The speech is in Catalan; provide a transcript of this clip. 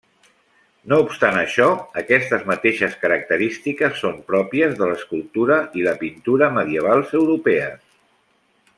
No obstant això, aquestes mateixes característiques són pròpies de l'escultura i la pintura medievals europees.